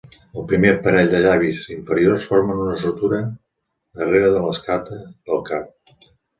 El primer parell de llavis inferiors formen una sutura darrere de l'escata del cap.